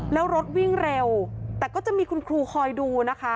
แล้วรถวิ่งเร็วแต่ก็จะมีคุณครูคอยดูนะคะ